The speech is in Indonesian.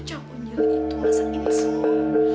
ucap unjil itu masakin semua